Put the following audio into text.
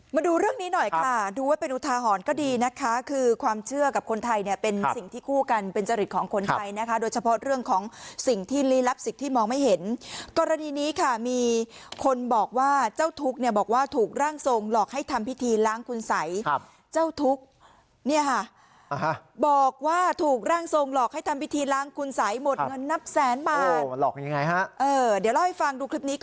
มาดูเรื่องนี้หน่อยค่ะดูว่าเป็นอุทาหรณ์ก็ดีนะคะคือความเชื่อกับคนไทยเนี่ยเป็นสิ่งที่คู่กันเป็นจริตของคนไทยนะคะโดยเฉพาะเรื่องของสิ่งที่ลีลับสิทธิ์ที่มองไม่เห็นกรณีนี้ค่ะมีคนบอกว่าเจ้าทุกข์เนี่ยบอกว่าถูกร่างทรงหลอกให้ทำพิธีล้างคุณสัยครับเจ้าทุกข์เนี่ยฮะอ่าฮะบอกว่าถูกร่าง